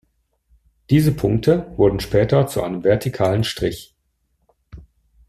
Diese Punkte wurden später zu einem vertikalen Strich.